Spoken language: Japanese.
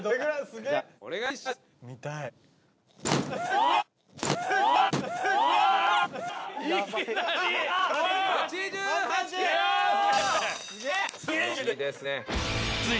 すごい！